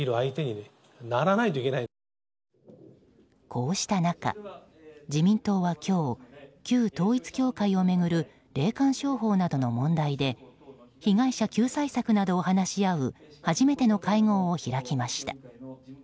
こうした中、自民党は今日旧統一教会を巡る霊感商法などの問題で被害者救済策などを話し合う初めての会合を開きました。